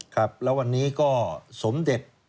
ครับแล้ววันนี้ก็สมเด็จ